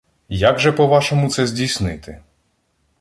— Як же, по-вашому, це здійснити?